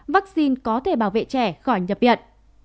vaccine có thể bảo vệ trẻ khỏi nhập biện